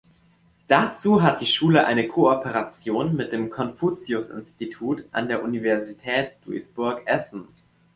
Dazu hat die Schule eine Kooperation mit dem Konfuzius-Institut an der Universität Duisburg-Essen.